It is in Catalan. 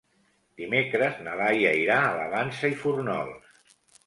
Dimecres na Laia irà a la Vansa i Fórnols.